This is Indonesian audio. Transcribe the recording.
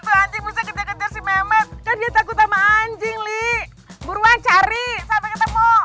tuh anjing bisa kita kejar si mehmet kan dia takut sama anjing li buruan cari sampai ketemu